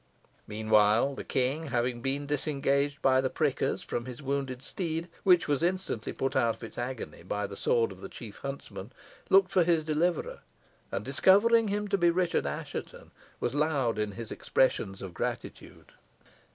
Meanwhile, the King, having been disengaged by the prickers from his wounded steed, which was instantly put out of its agony by the sword of the chief huntsman, looked for his deliverer, and, discovering him to be Richard Assheton, was loud in his expressions of gratitude.